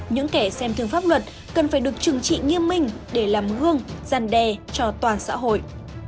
những kẻ xem thương pháp luật cần phải được trừng trị nghiêm minh để làm gương gian đe cho toàn xã hội